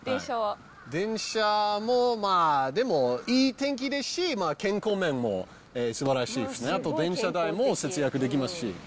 電車もまあ、でもいい天気ですし、健康面もすばらしいですね、あと電車代も節約できますし。